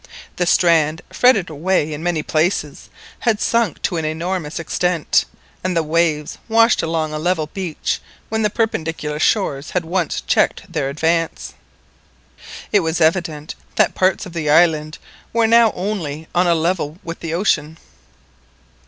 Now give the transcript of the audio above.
The strand, fretted away in many places, had sunk to an enormous extent, and the waves washed along a level beach when the perpendicular shores had once checked their advance. It was evident that parts of the island were now only on a level with the ocean.